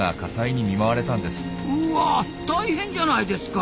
うわ大変じゃないですか！